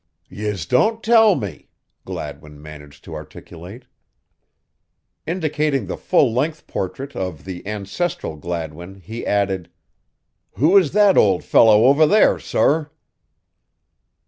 "Yez don't tell me," Gladwin managed to articulate. Indicating the full length portrait of the ancestral Gladwin, he added, "Who is that old fellow over there, sorr?"